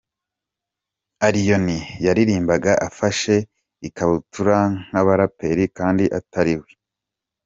Allioni yaririmbaga afashe ikabutura nk'abaraperi kandi atari we.